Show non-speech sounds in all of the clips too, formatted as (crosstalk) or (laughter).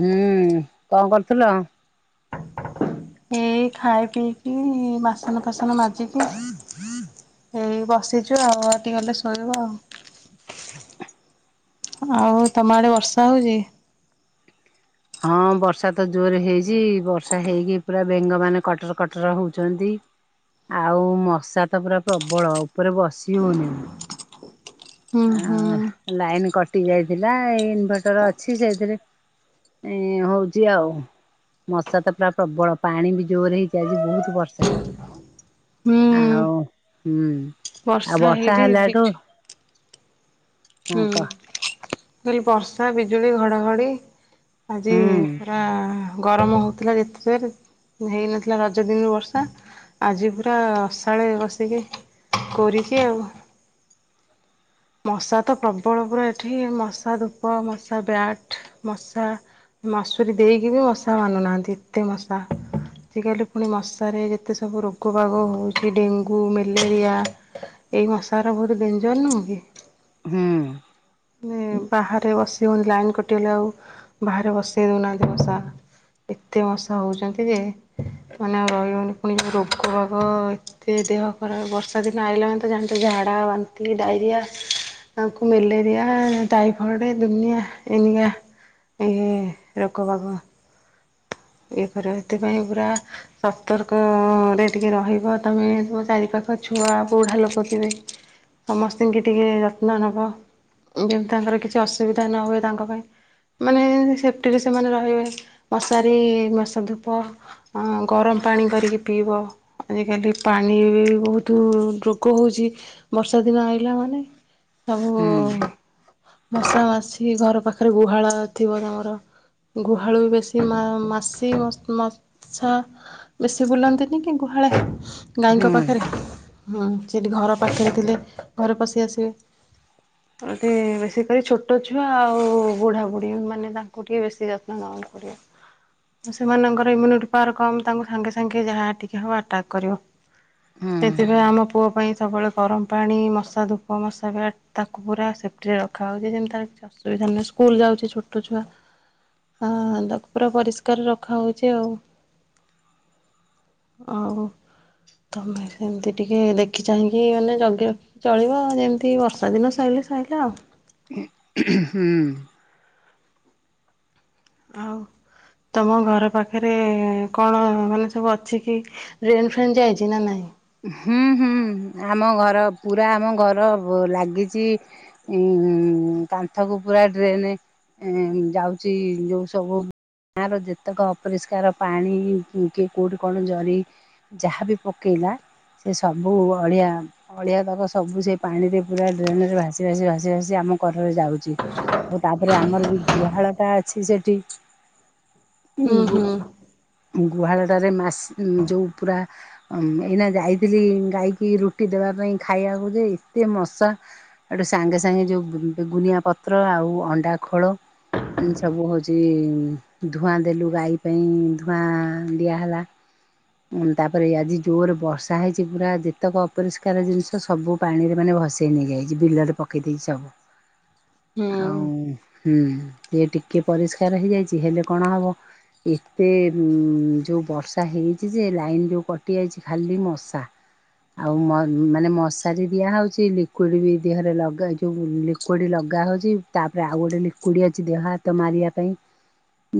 ହୁଁ କଣ କରୁଥିଲ? ଏଇ ଖାଇ ପିଇକି ବାସନ ଫାସନ ମାଜିକି ଏଇ ବସିଛୁ ଆଉ ଆ ଟିକେ ଗଲେ ଶୋଇବା ଆଉ। ଆଉ ତମ ଆଡ଼େ ବର୍ଷା ହେଉଛି? ହଁ ବର୍ଷା ତ ଜୋରେ ହେଇଛି ବର୍ଷା ହେଇକି ପୁରା ବେଙ୍ଗ ମାନେ କଟର କଟର ହଉଛନ୍ତି। ଆଉ ମଶା ତ ପୁରା ପ୍ରବଳ ଉପରେ ବସି ହଉନି ହୁଁ ହୁଁ ଆଉ ଲାଇନ କଟି ଯାଇଥିଲା ଏଇ ଇନଭଟର ଅଛି ସେଇଥିରେ ଏ ହଉଛି ଆଉ। ମଶା ତ ପୁରା ପ୍ରବଳ ପାଣି ବି ଜୋର ହେଇଛି ଆଜି ବହୁତ ବର୍ଷା। ହୁଁ ଆଉ ହୁଁ ଆଉ ବର୍ଷା ହେଇଛି ହେଲାଠୁ ବିଜୁ ହଁ କହ ହୁଁ ବର୍ଷା ବିଜୁଳି ଘଡ଼ାଘଡ଼ି ଆଜି ହୁଁ ହଁ ଗରମ ହଉଥିଲା ଯେତେ ହେଇନଥିଲା ରଜ ଦିନରୁ ବର୍ଷା ଆଜି ପୁରା ଅସାଳେ ବସିକି କୋରିଚି ଆଉ। ମଶା ତ ପ୍ରବଳ ପୁର ଏଠି ମଶା ଧୂପ ମଶା ବ୍ୟାଟ୍ ମଶା ମସୁରୀ ଦେଇକି ବି ମଶା ମାନୁନାହାନ୍ତି ଏତେ ମଶା। ଆଜିକାଲି ପୁଣି ମଶାରେ ଯେତେ ସବୁ ରୋଗ ବାଗ ହେଉଛି ଡେଙ୍ଗୁ ମ୍ୟାଲେରିଆ ଏଇ ମଶାର ବହୁତ ଡେଞ୍ଜର ନୁହଁ କି? ହୁଁ। ବାହାରେ ବସି ହଉନୀ ଲାଇନ୍ କଟିଗଲେ ଆଉ ବାହାରେ ବସେଇ ଦେଉନାହାନ୍ତି ମଶା। ଏତେ ମଶା ହେଉଛନ୍ତି ଯେ ମାନେ ଆଉ ରହିହବନି ପୁଣି ଯେଁ ରୋଗ ବାଗ। ଏତେ ଦେହ ଖରାପ ବର୍ଷା ଦିନ ଆଇିଲା ତ ଜାଣି ଥିବ ଝାଡ଼ା ବାନ୍ତି ଡାଇରିଆ। ତାଙ୍କୁ ମେଲ ମ୍ୟାଲେରିଆ ଟାଇଫର୍ଡେ ଦୁନିଆ ଏନକା ଏ ରୋଗବାଗ। ଇଏ କରିବେ ହେଥି ପାଇଁ ପୁରା ସତର୍କରେ ଟିକେ ରହିବ ତୁମେ ଚାରିପାଖ ଛୁଆ ବୁଢ଼ା ଲୋକ ଥିବେ। ସମସ୍ତଙ୍କୁ ଟିକେ ଯତ୍ନ ନେବ ଯେମିତି ତାଙ୍କର କିଛି ଅସୁବିଧା ନ ହୁଏ ତାଙ୍କ ପାଇଁ। ମାନେ ସେଫ୍ଟିରେ ସେମାନେ ରହିବେ ମଶାରୀ ମସା ଧୂପ। ଅ ଗରମ ପାଣି କରିକି ପିଇବ। ଆଜିକାଲି ପାଣି ବି ବହୁତ ରୋଗ ହଉଛି। ବର୍ଷା ଦିନ ଆଇଲା ମାନେ ହୁଁ ସବୁ ମଶା ମାସି ଘର ପାଖରେ ଗୁହାଳ ଥିବ ତମର? ଗୁହାଳୁ ବେଶୀ ମା ମାସି ମ ମାସା ବେଶୀ ବୁଲନ୍ତିନି କି ଗୁହାଳେ? ଗାଈଙ୍କ ହୁଁ ପାଖରେ ହଁ ସେଠି ଘର ପାଖରେ ଥିଲେ ଘରେ ପଶି ଆସିବେ। ହ ତେ ବେଶୀ କରି ଛୋଟ ଛୁଆ ଆଉ ବୁଢ଼ାବୁଢ଼ୀ ମାନେ ତାଙ୍କୁ ଟିକେ ବେଶୀ ଯତ୍ନ ନେବାକୁ ପଡିବ। ସେମାନଙ୍କର ଇମ୍ୟୁନିଟି ପାୱାର କମ ତାଙ୍କୁ ସାଙ୍ଗେ ସାଙ୍ଗେ ଯାହା ଟିକେ ହବ ଆଟାକ୍ କରିବ। ହୁଁ ସେଥିପାଇଁ ଆମ ପୁଅ ପାଇଁ ସବୁବେଳେ ଗରମ ପାଣି, ମଶା ଧୂପ, ମଶା ବି ତାକୁ ପୁରା ସେଫ୍ଟିରେ ରଖା ହେଉଛି ଯେମି ଅସୁବିଧା ନାହିଁ, ସ୍କୁଲ ଯାଉଛି ଛୋଟ ଛୁଆ। ଆଁ ତାକୁ ପୁରା ପରିଷ୍କାର। ରଖା ହଉଛି ଆଉ, ଆଉ ତମେ ସେମିତି ଟିକେ ଦେଖି ଚାହିଁକି ମାନେ ଜଗି ଚଳିବ ଯେମିତି ବର୍ଷା ଦିନ ସରିଲେ ସଇିଲା ଆଉ। ଉଁ ହୁଁ। ଆଉ ତମ ଘର ପାଖରେ କଣ ମାନେ ସବୁ ଅଛି କି ଡେନ ଫ୍ରେନ ଯାାଇଛି ନା ନାଇଁ? ହୁଁ ହୁଁ ଆମ ଘର ପୁରା ଆମ ଘର ଲାଗିଚି ଉ କାନ୍ଥକୁ ପୁରା ଡ୍ରେନ୍ ଏ ଯାଉଛି ଯୋଉ ସବୁ ଗାଁର ଯେତେକ ଅପରିଷ୍କାର ପାଣି କି କେଉଁଠି କଣ ଜରି ଯାହାବି ପକେଇଲା ସେ ସବୁ ଅଳିଆ ଅଳିଆ ତକ ସବୁ ସେ ପାଣି ରେ ପୁରା ଡ୍ରେନ ରେ ଭାସି ଭାସି ଭାସି ଭାସି ଆମ ଘରରେ ଯାଉଛି। ଆଉ ତାପରେ ଆମର ବି ଗୁହାଳ ଟା ଅଛି ସେଠି। ଉଁ ହୁଁ ଗୁ ହୁଁ ଗୁହାଳଟାରେ ମାସ ଯୋଉଁ ପୁରା ଏଇନା ଯାଇଥିଲି ଗାଈକି ରୁଟି ଦେବା ପାଇଁ ଖାଇବାକୁ ଯେ ଏତେ ମଶା ଏଠୁ ସାଙ୍ଗେ ସାଙ୍ଗେ ଯେଉଁ ଗୁଗୁନିଆ ପତ୍ର ଆଉ ଅଣ୍ଡା ଖୋଳ ସବୁ ହେଉଛି ଧୂଆଁ ଦେଲୁ ଗାଈ ପାଇଁ ଧୂଆଁ ଦିଆହେଲା। ଉଁ ତାପରେ ଆଜି ଜୋରେ ବର୍ଷ ତାହା ହେଇଛି ପୁରା ଯେତେକ ଅପରିଷ୍କାର ଜିନିଷ ସବୁ ପାଣିରେ ମାନେ ଭସେଇ ନେଇଯାଇଛି, ବିଲରେ ପକେଇ ଦେଇଛି ସବୁ। ହୁଁ ଆଉ ହୁଁ ସିଏ ଟିକେ ପରିଷ୍କାର ହେଇଯାଇଛି ହେଲେ କଣ ହବ। ଏତେ ଯୋଉ ବର୍ଷା ହେଇଛି ଯେ ଲାଇନ ଯୋଉ କଟି ଯାଇଛି ଖାଲି ମ ସା ଆଉ ମାନେ ମଶାରୀ ଦିଆହେଉଛି। ଲିକୁଇଡ଼୍ ବି ଦେହରେ ଲଗା ଯେଉଁ ଲିକୁଇଡ଼ ଲଗାହେଉଛି ତାପରେ ଆଉ ଗୋଟେ ଲିକୁଡ଼ି ଅଛି ଦେହ ହାତ ମାରିବା ପାଇଁ।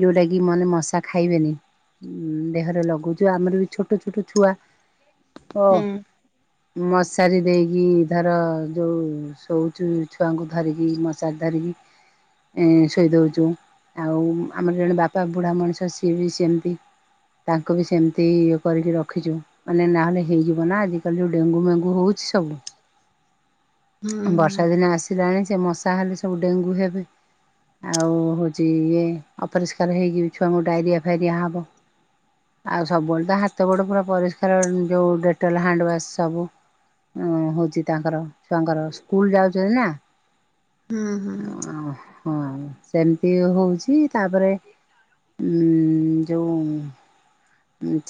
ଯେଉଁଟା କିି ମାନେ ମଶା ଖାଇବେନି। ଉ ଦେହରେ ଲଗୁଛୁ, ଆମର ବି ଛୋଟ ଛୋଟ ଛୁଆ। ହ ହୁଁ ମଶାରୀ ଦେଇକି ଧର ଯୋଉ ଶୋଉଛୁ ଛୁଆଙ୍କୁ ଧରିକି ଚାଦରି ଶୋଇ ଦେଉଛୁ ଆଉ ଆମର ଜଣେ ବାପା ବୁଢ଼ା ମଣିଷ ସିଏ ବି ସେମିତି। ତାଙ୍କୁ ବି ସେମିତି ଇଏ କରିକି ରଖିଛୁ, ମାନେ ନହେଲେ ହେଇଯିବ ନା। ଆଜିିକାଲି ଯୋଉ ଡେଙ୍ଗୁ ମେଙ୍ଗୁ ହଉଛି ସବୁ। ହୁଁ ବର୍ଷା ଦିନେ ଆସ ସିଲାଣି ସେ ମଶା ହେଲେ ସବୁ ଡେଙ୍ଗୁ ହେବେ। ଆଉ ହେଉଛି ଇଏ ଅପରିଷ୍କାର ହେଇକି ଛୁଆଙ୍କୁ ଡାଇରିଆ ଫାଇରିଆ ହେବ। ଆଉ ସବୁବେଳେ ତ ହାତ ଗୋଡ ପୁରା ପରିଷ୍କାର ଯୋଉ ଡେଟଲ୍ ହ୍ୟାଣ୍ଡ ୱାସ୍ ସବୁ ହ ହଉଛି ତାଙ୍କର ଛୁଆଙ୍କର ସ୍କୁଲ ଯାଉଛନ୍ତି ନା। ହୁଁ ହୁଁ ହୁଁ ଓ ହଁ ସେମିତି ହଉଛି ତାପରେ ଯଉଁ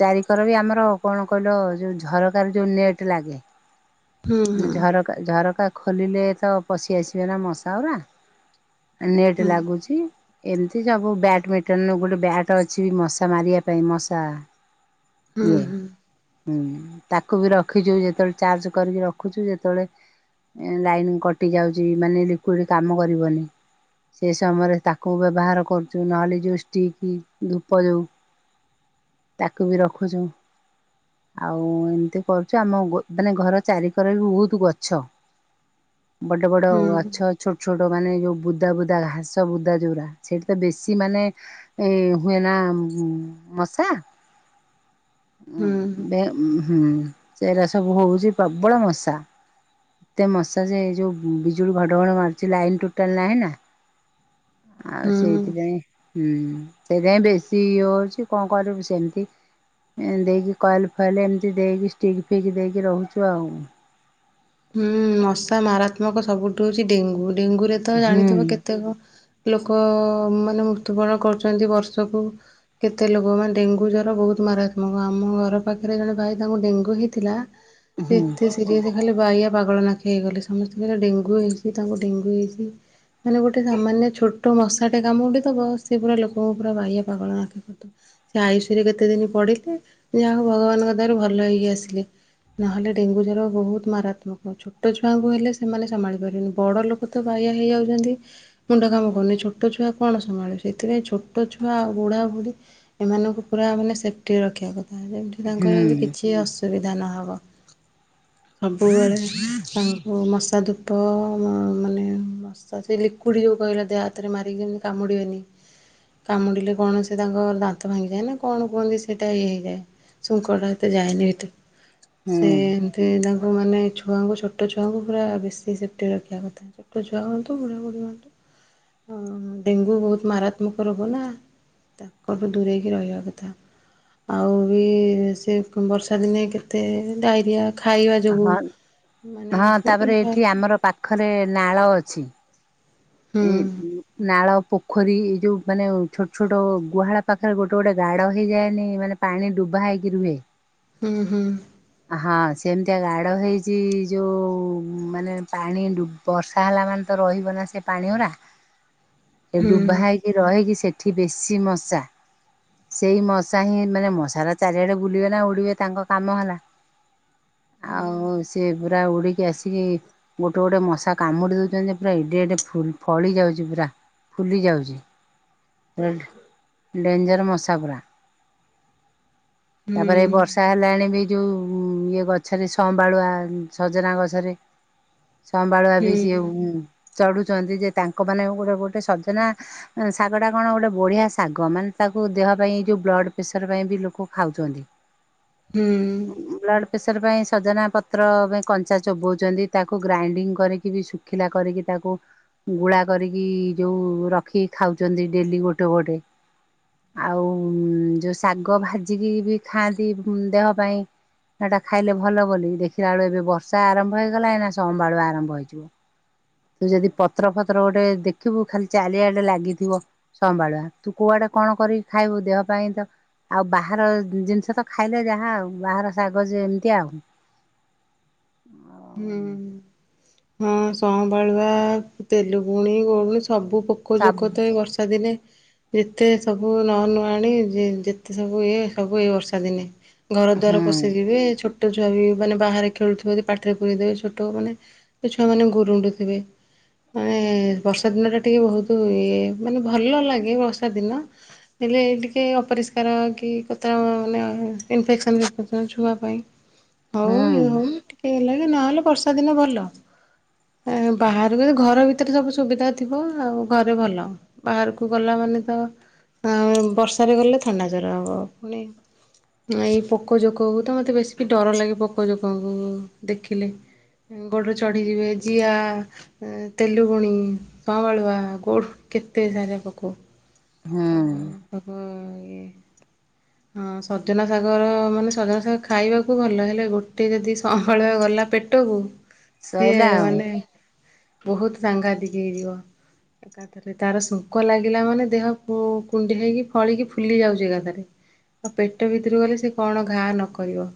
ଚାରିିକର ବି ଆମର କଣ କହିଲ ଯୋଉ ଝରକା ରେ ଯୋଉ ନେଟ୍ ଲାଗେ। ହୁଁ ଉଁ ଝର ଝରକା ଖୋଲିଲେ ତ ପଶି ଆସିବେ ନା ମଶା ଉରା। ନେଟ୍ ହୁଁ ଲାଗୁଛି। ଏମିତି ସବୁ ବ୍ୟାଡମିଣ୍ଟନ ଗୋଟେ ବ୍ୟାଟ୍ ଅଛି, ମଶା ମାରିବା ପାଇଁ ମଶା ହୁଁ ଇଏ। ହୁଁ। ହୁଁ ତାକୁ ବି ରଖିଛୁ, ଯେତେବେଳେ ଚାର୍ଜ କରିକି ରଖୁଛୁ, ଯେତେବେଳେ ଲାଇନ୍ କଟିଯାଉଛି ମାନେ ଲିକୁଇଡ଼ କାମ କରିବନି ସେ ସମୟରେ ତାକୁ ବ୍ୟବହାର କରୁଛୁ। ନହେଲେ ଯେଉଁ ଷ୍ଟିକ୍ ଧୂପ ଯେଉଁ ତାକୁ ବି ରଖୁଛୁ। ଆଉ ଏମିତି କରୁଛୁ ଆମ ମାନେ ଘର ଚାରିିକର ବି ବହୁତ ଗଛ। ବଡ଼ା ବଡ଼ା ହୁଁ ଆଛ। ଛୋଟ ଛୋଟ ମାନେ ଯେଉଁ ବୁଦା ବୁଦା ଘାସ ବୁଦା ଯୋଉୁରା ସେଇଠି ତ ବେଶୀ ମାନେ ଏଇ ହୁଏନା ମଶା। (inaudible) ଉ ହୁଁ ସେଟା ସବୁ ହଉଛି ପ୍ରବଳ ମଶା। ଏତେ ମଶା ଯେ ଯେଉଁ ବିଜୁଳି ଘଡ଼ଘଡ଼ ମାରୁଛି ଲାଇନ୍ ଟୋଟାଲ ନାହିଁ ନା। ଆଉ ହୁଁ। ସେଇଥିପାଇଁ। ହୁଁ ସେଥିପାଇଁ ବେଶୀ ଇଏ ହେଉଛି କଣ କରିବୁ ସେମିତି ଦେଇକି କଏଲ ଫଏଲ ଏମିତି ଦେଇକି ଷ୍ଟିକ୍ ଫିକ୍ ଦେଇକି ରହୁଛୁ ଆଉ। ହୁଁ ମଶା ମାରାତ୍ମକ ସବୁଠୁ ହଉଛି ଡେଙ୍ଗୁ ଡେଙ୍ଗୁ ରେ ତ ହୁଁ ଜାଣିଥିବ କେତେକ ଲୋକ ମାନେ ମୃତ୍ୟୁବରଣ କରୁଛନ୍ତି ବର୍ଷକୁ। କେତେ ଲୋକମାନେ ଡେଙ୍ଗୁ ଜ୍ଵର ବହୁତ ମାରାତ୍ମକ ଆମ ଘର ପାଖରେ ଜଣେ ଭାଇ ତାଙ୍କୁ ଡେଙ୍ଗୁ ହେଇଥିଲା। ହୁଁ ସେତେ ସିରି ଖାଲି ଆଆ ପାଗଳ ନାଖି ହେଇଗଲେ ସମସ୍ତେଙ୍କଲେ ଡେଙ୍ଗୁ ହେଇଛି ତାଙ୍କୁ ଡେଙ୍ଗୁ ହେଇଛି। ମାନେ ଗୋଟେ ସାମାନ୍ୟ ଛୋଟ ମଶାଟେ କାମ ଗଠଥବ ସେି ପୁରା ଲୋକଙ୍କୁ ପୁରା ବାହ୍ୟ ପାଗଳ ଆଖି କରିଥିବ। ସେ ଆୟୁଷରେ କେତେ ଦିନ ପଡ଼ିଲେ ଯାହା ଭଗବାନଙ୍କ ଦ୍ୱଵାରା ଭଲ ହେଇକି ଆସିଲେ। ନହେଲେ ଡେଙ୍ଗୁ ର ବହୁତ ମାରାତ୍ମକ ଛୋଟ ଛୁଆଙ୍କୁ ହେଲେ ସେମାନେ ସମ୍ଭାଳି ପାରିବନି ବଡ଼ ଲୋକ ତ ବାହଆ ହେଇଯାଉଚନ୍ତି ମୁଣ୍ଡ କାମ କରୁନି ଛୋଟ ଛୁଆ କଣ ସମ୍ଭାଳିବେ। ସେଥିପାଇଁ ଛୋଟ ଛୁଆ ଆ ବୁଢ଼ା ବୁ଼ଢ଼ୀ ଏମାନଙ୍କୁ ପୁରା ମାନେ ସେଫ୍ଟି ରଖିବା କଥା ଯେମତି ତାଙ୍କର ଏମିତି ହୁଁ କିଛି ଅସୁବିଧା ନହବ। ସବୁବେଳେ ତାଙ୍କୁ ମଶା ଧୂପ ମାନେ ମସ୍ ସେ ଲିଇଡ ଯୋଉ କହିଲା ଦେହ ହାତରେ ମାରିକି ଯେମିତି କାମୁଡିବେନି। କାମୁଡ଼ିଲେ କଣ ସେ ତାଙ୍କ ଦାନ୍ତ ଭାଙ୍ଗିଯାଏ ନା କଣ କୁହନ୍ତି ସେଇଟା ଇଏ ହେଇଯାଏ। ସୁଙ୍କଟା ଏତେ ଯାଏନି ଏତେ ହୁଁ ସେ ଏମିତି ତା ଆଉ ମାନେ ଛୁଆଙ୍କୁ ଛୋଟ ଛୁଆଙ୍କୁ ପୁରା ବେଶୀ ସେଫ୍ଟିରେ ରଖିବା କଥା। ଛୋଟ ଛୁଆ ହୁଅନ୍ତୁ ବୁଢା ବୁଢ଼ୀ ହୁଅନ୍ତୁ ହଁ ଡେଙ୍ଗୁ ବହୁତ ମାରାତ୍ମକ ରୋଗ ନା। ତାକ ଠୁ ଦୂରେଇକି ରହିବା କଥା। ଆଉ ବି ସେ ବର୍ଷା ଦିନେ କେତେ ଡାଇରିଆ। ଖାଇବା ଯୋଗୁଁ ହଁ ମାନେ ହଁ ତାପରେ ଏଇଠି ଆମର ପାଖରେ ନାଳ ଅଛି। ହୁଁ ଏ ନାଳ ପୋ ଖରି ଏ ଯେଉଁ ମାନେ ଛୋଟ ଛୋଟ ଗୁହାଳ ପାଖରେ ଗୋଟେ ଗୋଟେ ଗାଡ଼ ହେଇଯାଏନି ମାନେ ପାଣି ଡୁବା ହେଇକି ରୁହେ। ହୁଁ ହୁଁ। ହଁ ସେମିତିଆ ଗାଡ଼ ହେଇଛି ଯୋଉ ମାନେ ପାଣି ଡୁ ବର୍ଷା ହେଲା ମାନେ ତ ରହିବ ନା ସେ ପାଣି ଉରା ଏ ଡୁବା ହୁଁ। ହେଇ କି ରହକି ସେଠି ବେଶୀ ମଶା। ସେଇ ମଶା ହିଁ ମାନେ ମଶାର ଚାରିଆଡେ ବୁଲିବେ ନା ଉଡିବେ ତାଙ୍କ କାମ ହେଲା। ହ। ଆଉ ସେ ସେ ପୁରା ଉଡ଼ିକି ଆସିକି ଗୋଟେ ଗୋଟେ ମଶା କାମୁଡ଼ି ଦେଉଚନ୍ତି ଯେ ପୁରା ଏଡେ ଏଡ଼େ ଫୁଲ ଫଳି ଯାଉଚି ପୁରା ଫୁଲି ଯାଉଚି। ଡେଞ୍ଜର ମଶା ପୁରା। ତାପରେ ଏଇ ବର୍ଷା ହେଲାଣି ବି ଯେଉ ଇଏ ଗଛରେ ସବାଳୁଆ ସଜନା ଗଛରେ ସବାଳୁଆ ହୁଁ ବି ସିଏ ହୁଁ ଚଢୁଚନ୍ତି ଯେ ତାଙ୍କ ମାନେ ଗୋଟେ ଗୋଟେ ସଜନା ଶାଗ ଟା କଣ ଗୋଟେ ବଢିଆ ଶାଗ। ମାନେ ତାକୁ ଦେହ ପାଇଁ ଯୋଉ ବ୍ଲଡ଼ ପ୍ରେସର ପାଇଁ ବି ଲୋକ ଖାଉଚନ୍ତି। ହୁଁ। ବ୍ଲଡ଼୍ ପ୍ରେସର ପାଇଁ ସଜନା ପତ୍ର ପେଇଁ କଞ୍ଚା ଚୋବଉଚନ୍ତି। ତାକୁ ଗ୍ରାଇଣ୍ଡିଙ୍ଗ୍ କରିକି ବି ସୁ ଖିଲା କରିକି ତାକୁ ଗୁଳା କରିକି ଯଉ ରଖିକି ଖାଉଚନ୍ତି ଡେଲି ଗୋଟେ ଗୋଟେ। ଆଉ ଯଉ ଶାଗ ଭାଜିକି ବି ଖାଆନ୍ତି ଉଁ -ଦେହ ପାଇଁ। ସେଟା ଖାଇଲେ ଭଲ ବୋଲି ଦେଖିଲା ବେଳକୁ ଏବେ ବର୍ଷା ଆରମ୍ଭ ହେଇଗଲା ଏଇନା ସଁବାଳୁଆ ଆରମ୍ଭ ହେଇଯିବ। ତୁ ଯଦି ପତ୍ର ଫତ୍ର ଗୋଟେ ଦେଖିବୁ ଖାଲି ଚାଲିଆଡେ ଲାଗିଥିବ ସଁବାଳୁଆ। ତୁ କୁଆଡେ କଣ କରିକି ଖାଇବୁ ଦେହ ପାଇଁ ତ ଆଉ ବାହାର ଜିନିଷ ତ ଖାଇଲେ ଯାହା ଆଉ ବାହାର ଶାଗ ଯେମିତି ଆଉ। ହୁଁ ହଁ ସଁବାଳୁଆ, ତେଲୁଗୁଣି, ଗଉଡୁଣି ସବୁ ପୋ ସାବ କଜୋକ ତ ଏଇ ବର୍ଷା ଦିନେ ଯେତେ ସବୁ ନ ନୁଆଣି ଯେତେ ସବୁ ଇଏ ସବୁ ଏଇ ବର୍ଷା ଦିନେ। ଘର ଦ୍ୱାର ହୁଁ ପଶିଯିବେ ଛୋଟ ଛୁଆ ବି ମାନେ ବାହାରେ ଖେଳୁଥିବେ ଯଦି ପା ପାଟିରେ ପୁରେଇ ଦେବେ ଛୋଟ ମାନେ ଛୁଆ ମାନେ ଗୁରୁଣ୍ଡୁ ଥିବେ। ମାନେ ବର୍ଷା ଦିନଟା ଟିକେ ଭଉତୁ ଇଏ ମାନେ ଭଲ ଲାଗେ ବର୍ଷା ଦିନ। ହେଲେ ଟିକେ ଅପରିଷ୍କାର କି କୋତରା ମାନେ ଇନଫେକ୍ସନ୍ ଫିଫେକ୍ସନ୍ ଛୁଆ ପାଇଁ। ହଉ ହୁଁ ଇଏ ହଉ ଟିକେ ହେଲାଗି ନହେଲେ ବର୍ଷା ଦିନ ଭଲ। ଏ ବାହାରୁକୁ ଘର ଭିତରେ ସବୁ ସୁବିଧା ଥିବ ଆଉ ଘରେ ଭଲ। ବାହାରୁକୁ ଗଲା ମାନେ ତ ଅଁ ବର୍ଷାରେ ଗଲେ ଥଣ୍ଡା ଜର ହବ ପୁଣି ଏଇ ପୋକ ଜୋକକୁ ତ ମତେ ବେଶୀ ବି ଡର ଲାଗେ ପୋକ ଜୋକଙ୍କୁ ଦେଖିଲେ। ଗୋଡ଼ରେ ଚଢ଼ିଯିବେ ଜିଆ ଉଁ ତେଲୁଗୁଣି, ସଂବାଳୁଆ ଗୋଡ଼୍ କେତେ ସାରା ପୋକ। ହୁଁ ସବୁ ହବ ଇଏ। ହଁ ସଜନା ଶାଗର ମାନେ ସଜନା ଶାଗ ଖାଇବାକୁ ଭଲ ହେଲେ ଗୋଟେ ଯଦି ସଁ ବାଳୁଆ ଗଲା ପେଟକୁ ସିଏ ସଇଲା ଆଉ ମାନେ ବହୁତ ସାଂଘାତିକ୍ ହେଇଯିବ ଏକାଥରେ। ରେ ତାର ଶୁଙ୍କ ଲାଗିଲା ମାନେ ଦେହ କୁ କୁଣ୍ଡି ହେଇକି ଫଳିକି ଫୁଲି ଯାଉଚି ଏକାଥରେ। ଆଉ ପେଟ ଭିତୁରୁ ଗଲେ ସେ କଣ ଘା ନକରିବ।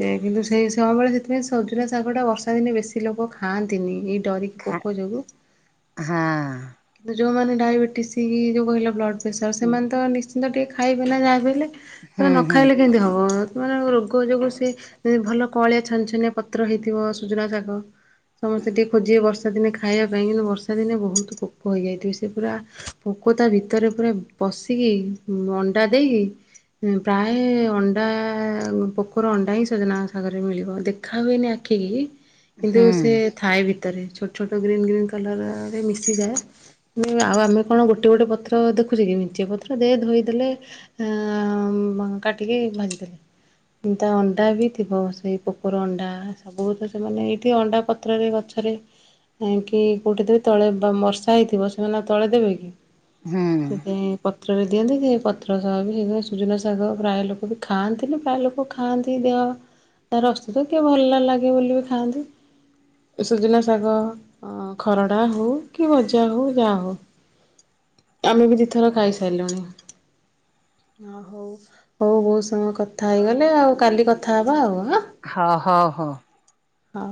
ସେ କିନ୍ତୁ ସେଇ ସଁବଳୁଆ ସେଥିପାଇଁ ସଜୁୁନା ଶାଗଟା ବର୍ଷା ଦିନେ ବେଶୀ ଲୋକ ଖାଆନ୍ତିନି ଏଇ ଡରିକି ଖା ପୋକ ଯୋଗୁ। ହଁ କିନ୍ତୁ ଯୋଉମାନେ ଡାଇବେଟିସ୍ ଯୋଉ କହିଲ ବ୍ଲଡ଼୍ ପ୍ରେସର୍ ସେମାନେ ତ ନିଶ୍ଚିନ୍ତ ଟିକେ ଖାଇବେ ନା ଯାହା ବି ହେଲେ। ତ ହୁଁ ହୁଁ ନଖାଇଲେ କେନ୍ତି ହବ ସେମାନଙ୍କ ରୋଗ ଯୋଗୁ ସେ ଏ ଭଲ କଁଅଳିଆ ଛନଛନିଆ ପତ୍ର ହେଇଥିବ ସୁଜୁନା ଶାଗ ସମସ୍ତେ ଟିକେ ଖୋଜିବେ ବର୍ଷା ଦିନେ ଖାଇଆ ରବାଇଁ କିନା ବର୍ଷା ଦିନେ ବହୁତ ପୋକ ହେଇଯାଇଥିବେ ସେ ପୁରା ପୋକ ତା ଭିତରେ ପୁରା ପସିକି ଅଣ୍ଡା ଦେଇକି ଉଁ ପ୍ରାୟ ଅଣ୍ଡା ପୋକର ଅଣ୍ଡା ହିଁ ସଜନା ଆଗରେ ମିଳିବ ଦେଖା ହୁଏନି ଆଖିକି କିନ୍ତୁ ସେ ହୁଁ ଥାଏ ଭିତରେ ଛୋଟ ଛୋଟ ଗ୍ରୀନ୍ ଗ୍ରୀନ୍ କଲର୍ ରେ ମିଶିଯାଏ। ଇଁ ଆଉ ଆମେ କଣ ଗୋଟେ ଗୋଟେ ପତ୍ର ଦେଖୁଚେ କି ମେଞ୍ଚେ ପତ୍ର ଦେ ଧୋଇଦେଲେ ଉଁ ମ କାଟିକି ଭାଜିଦେଲେ ଉଁ ତା ଅଣ୍ଡା ବି ଥିବ ସେଇ ପୋକର ଅଣ୍ଡା ସବୁ ତ ସେମାନେ ଏଇଠି ଅଣ୍ଡା ପତ୍ରରେ ଗଛରେ କାହିଁକି କୋଉଠେ ଦେବେ ତଳେ ଦ ବର୍ଷା ହେଇଥିବ ସେମାନେ ଆଉ ତଳେ ଦେବେ କି ହୁଁ ସେଥିପାଇଁ ପତ୍ରରେ ଦିଅନ୍ତି ସେ ପତ୍ର ସହ ବି ହେଇଥିପାଇଁ ସୁଜୁନା ଶାଗ ପ୍ରାୟ ଲୋକ ବି ଖାଆନ୍ତିନି ପ୍ରାୟ ଲୋକ ଖାଆନ୍ତି ଦେହ ତା ରଶ ତ କିଏ ଭଲ ନଲାଗେ ବୋଲି ବି ଖାଆନ୍ତି। ଏ ସୁଜୁନା ଶାଗ ଅ ଖରଡ଼ା ହଉ କି ଭଜା ହଉ ଯା ହଉ ଆମେ ବି ଦି ଥର ଖାଇସାଇଲୁଣି। ଓ ହଉ ହଉ ବୋହୁତ୍ ସମୟ କଥା ହେଇଗଲେ ଆଉ କାଲି କଥା ହବା ଆଉ। ଆଁ? ହ ହ ହୋ। ହ।